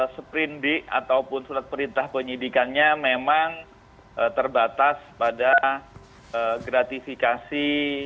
seprindik ataupun surat perintah penyidikannya memang terbatas pada gratifikasi